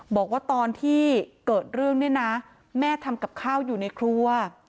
บอกว่าตอนที่เกิดเรื่องเนี่ยนะแม่ทำกับข้าวอยู่ในครัว